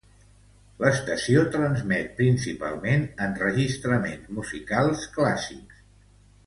L'estació transmet principalment enregistraments musicals clàssics.